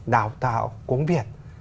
đạo tạo công việc